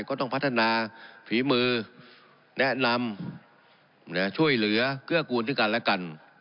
ก็ต้องพัฒนาฝีมือแนะนำช่วยเหลือเกื้อกูลด้วยกันและกัน